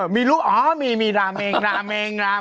อ๋อมีราเมงราเมงราเมง